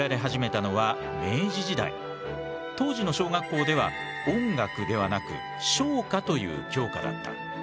当時の小学校では音楽ではなく唱歌という教科だった。